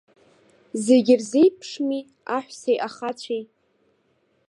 Зегь рзеиԥшми аҳәсеи ахацәеи.